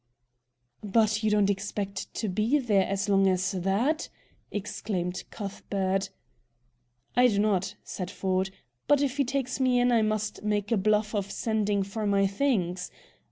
"But you don't expect to be in there as long as that?" exclaimed Cuthbert. "I do not," said Ford. "But, if he takes me in, I must make a bluff of sending for my things.